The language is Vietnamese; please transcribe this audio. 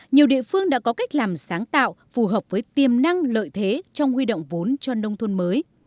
nhiều địa phương đã có cách làm sáng tạo phù hợp với tiềm năng lợi thế trong huy động vốn cho nông thôn mới